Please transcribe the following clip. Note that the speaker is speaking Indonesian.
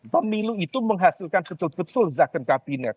pemilu itu menghasilkan ketul ketul zakat kabinet